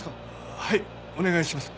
はいお願いします。